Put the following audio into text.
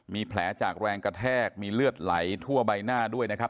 มีแผลจากแรงกระแทกมีเลือดไหลทั่วใบหน้าด้วยนะครับ